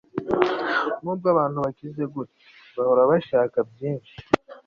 nubwo abantu bakize gute, bahora bashaka byinshi